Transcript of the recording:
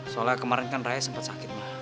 soalnya kemarin kan raya sempat sakit mah